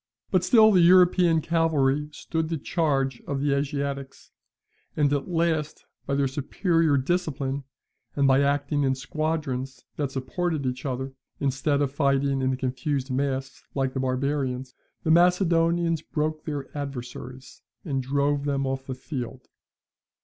But still the European cavalry stood the charge of the Asiatics, and at last, by their superior discipline, and by acting in squadrons that supported each other, instead of fighting in a confused mass like the barbarians, the Macedonians broke their adversaries, and drove them off the field.